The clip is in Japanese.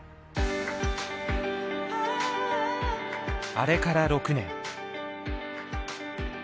あれから６年。